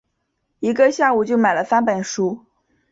一个下午就买了三本书